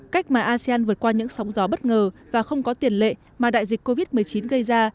cách mà asean vượt qua những sóng gió bất ngờ và không có tiền lệ mà đại dịch covid một mươi chín gây ra